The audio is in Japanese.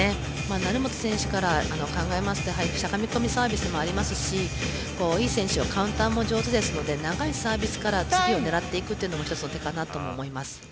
成本選手から考えますとしゃがみ込みサービスもありますし井選手はカウンターも上手ですし長いサービスから次を狙っていくというのも１つの手かなと思います。